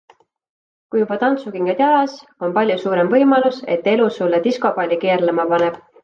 Kui juba tantsukingad jalas, on palju suurem võimalus, et elu sulle diskopalli keerlema paneb.